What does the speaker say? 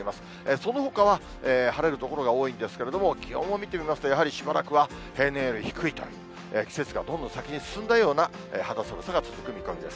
そのほかは晴れる所が多いんですけれども、気温を見てみますと、やはりしばらくは平年より低いと、季節がどんどん先に進んだような肌寒さが続く見込みです。